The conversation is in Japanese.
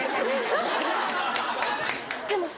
でもさ。